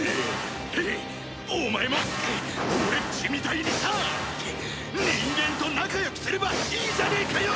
お前も俺っちみたいにさ人間と仲良くすればいいじゃねえかよ！